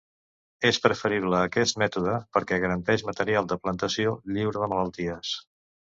És preferible aquest mètode perquè garanteix material de plantació lliure de malalties.